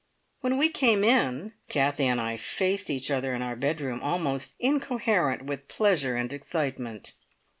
When we came in, Kathie and I faced each other in our bedroom, almost incoherent with pleasure and excitement.